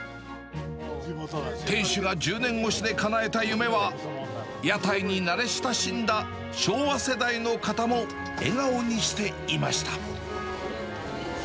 店主が１０年越しでかなえた夢は、屋台に慣れ親しんだ昭和世代の方も笑顔にしていました。